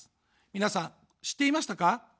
皆さん、知っていましたか。